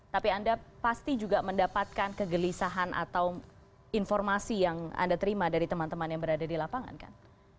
tapi anda pasti juga mendapatkan kegelisahan atau informasi yang anda terima dari teman teman yang berada di lapangan kan